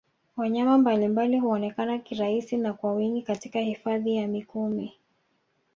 Wanyama mbalimbali huonekana kirahisi na kwa wingi Katika Hifadhi ya Mikumi